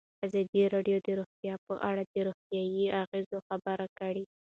ازادي راډیو د روغتیا په اړه د روغتیایي اغېزو خبره کړې.